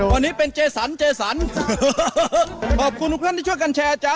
วันนี้เป็นเจสันเจสันขอบคุณทุกท่านที่ช่วยกันแชร์จ๊ะ